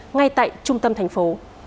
ngay tại trung tâm thành phố